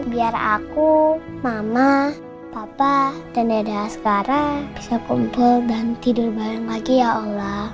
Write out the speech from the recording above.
biar aku mama papa tenda sekarang bisa kumpul dan tidur bareng lagi ya allah